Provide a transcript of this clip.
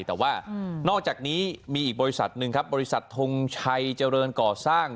แต่ว่านอกจากนี้มีอีกบริษัทหนึ่งครับบริษัททงชัยเจริญก่อสร้าง